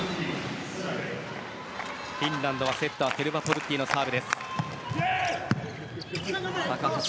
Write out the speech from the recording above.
フィンランドはセッターテルバポルッティのサーブです。